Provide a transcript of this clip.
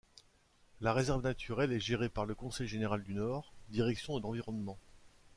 La réserve naturelle est gérée par le Conseil général du Nord, Direction de l’Environnement.